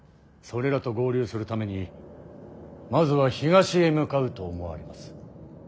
それらと合流するためにまずは東へ向かうと思われます。